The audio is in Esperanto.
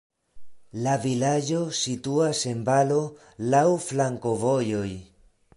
La vilaĝo situas en valo, laŭ flankovojoj.